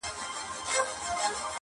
لېوه ږغ کړه فیله ولي په ځغستا یې؛